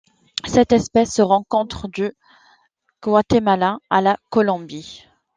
Cette espèce se rencontre du Guatemala à la Colombie.